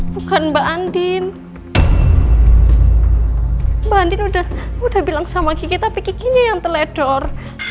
bukan mbak andin mbak andin udah bilang sama gigi tapi giginya yang teledor